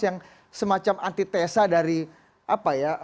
yang semacam antitesa dari apa ya